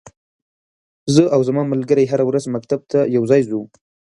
زه او ځما ملګری هره ورځ مکتب ته یوځای زو.